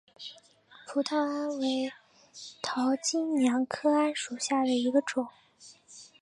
葡萄桉为桃金娘科桉属下的一个种。